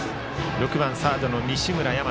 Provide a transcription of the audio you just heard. ６番サードの西村大和。